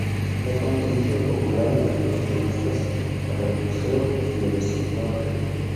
Es un sitio popular entre los turistas para el buceo y el snorkel.